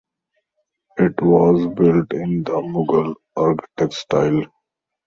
It was built in the Mughal architecture style.